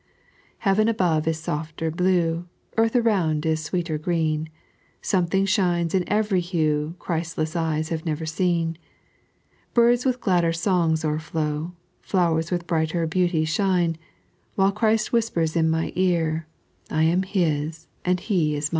Heaven sbovs ia Bofter blue, Eartb aroand ia Bweeter green ; Something sliiiiei in ereiy bus Christless ejes have never seen. Birds widi gladder songe o'erflow, Floorers with brighter beanties shine, While Christ whispers in my ear, I am His and He ia mine.